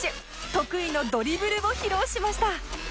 得意のドリブルを披露しました